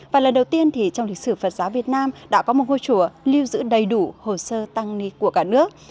và lần đầu tiên thì trong lịch sử phật giáo việt nam đã có một ngôi chùa lưu giữ đầy đủ hồ sơ tăng ni của cả nước